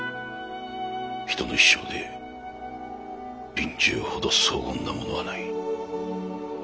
人の一生で臨終ほど荘厳なものはない。